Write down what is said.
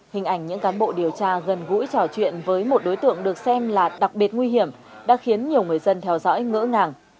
hình ảnh những cán bộ điều tra gần gũi trò chuyện với một đối tượng được xem là đặc biệt nguy hiểm đã khiến nhiều người dân theo dõi ngỡ ngàng